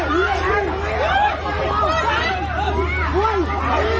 ยุด